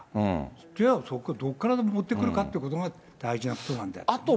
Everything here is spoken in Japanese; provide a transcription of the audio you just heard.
じゃあそれどっから持ってくるかというのが大事なことなんであってね。